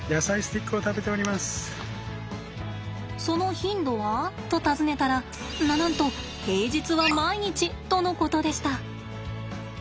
その頻度は？と尋ねたらななんと平日は毎日とのことでした。